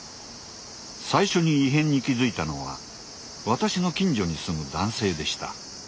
最初に異変に気付いたのは私の近所に住む男性でした。